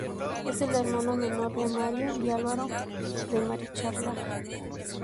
Es el hermano menor de Amalio y Álvaro de Marichalar.